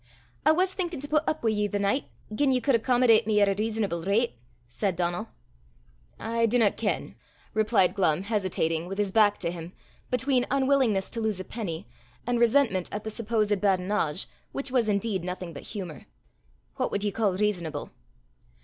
"I was thinkin' to put up wi' ye the nicht, gien ye could accommodate me at a rizzonable rate," said Donal. "I dinna ken," replied Glumm, hesitating, with his back to him, between unwillingness to lose a penny, and resentment at the supposed badinage, which was indeed nothing but humour; "what wad ye ca' rizzonable?"